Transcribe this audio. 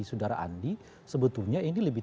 sudara andi sebetulnya ini lebih